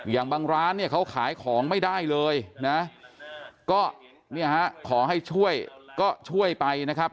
อย่างบางร้านเขาขายของไม่ได้เลยก็ขอให้ช่วยก็ช่วยไปนะครับ